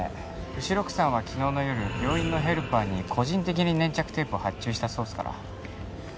後宮さんは昨日の夜病院のヘルパーに個人的に粘着テープを発注したそうっすから。